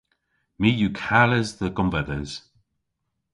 My yw kales dhe gonvedhes.